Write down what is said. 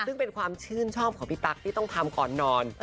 ซึ่งเป็นความชื่นชอบของพี่ตั๊กที่ต้องทำก่อนนอน